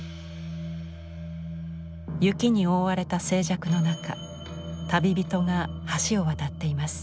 雪に覆われた静寂の中旅人が橋を渡っています。